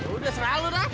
udah serah lo dah